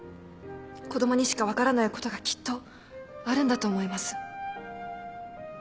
子供にしか分からないことがきっとあるんだと思います。